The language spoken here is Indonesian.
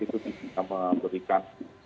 itu bisa memberikan